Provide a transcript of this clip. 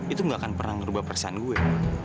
itu tidak akan pernah mengubah perasaan saya